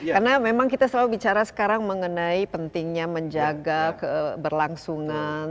karena memang kita selalu bicara sekarang mengenai pentingnya menjaga keberlangsungan